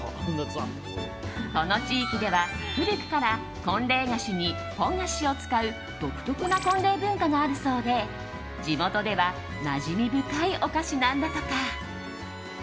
この地域では古くから婚礼菓子にポン菓子を使う独特な婚礼文化があるそうで地元ではなじみ深いお菓子なんだとか。